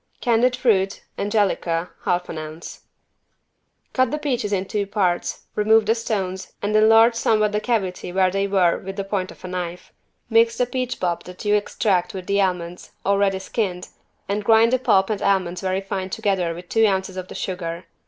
Candied fruit (angelica) half an ounce. Cut the peaches in two parts, remove the stones and enlarge somewhat the cavity where they were with the point of a knife. Mix the peach pulp that you extract with the almonds, already skinned, and grind the pulp and almonds very fine together with two ounces of the sugar.